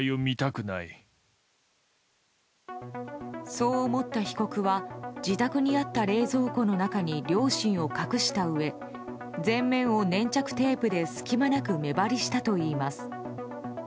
そう思った被告は自宅にあった冷蔵庫の中に両親を隠したうえ前面を粘着テープで隙間なく目張りしたといいます。